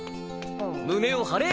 胸を張れ！